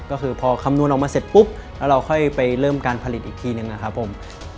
ก็คือพอคำนวณออกมาเสร็จปุ๊บแล้วเราค่อยไปเริ่มการผลิตอีกทีหนึ่งนะครับผม